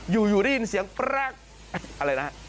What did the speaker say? อยู่ได้ยินเสียงปรรรรรรรอะไรนะ